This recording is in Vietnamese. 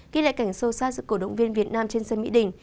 ghi lại cảnh sâu xa giữa cổ động viên việt nam trên sân mỹ đình